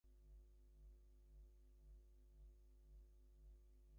The centre of the "Quercus frainetto" native range is in the Balkans.